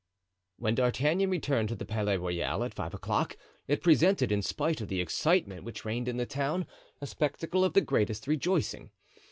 When D'Artagnan returned to the Palais Royal at five o'clock, it presented, in spite of the excitement which reigned in the town, a spectacle of the greatest rejoicing.